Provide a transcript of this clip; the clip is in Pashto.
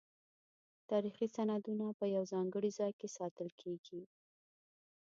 تاریخي سندونه په یو ځانګړي ځای کې ساتل کیږي.